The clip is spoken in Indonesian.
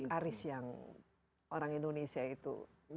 aris yang orang indonesia itu